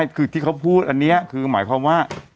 คือที่เขาพูดอันนี้คือหมายความว่า